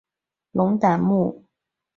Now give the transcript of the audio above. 龙胆木为大戟科龙胆木属下的一个种。